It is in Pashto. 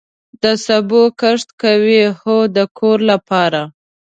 د سبو کښت کوئ؟ هو، د کور لپاره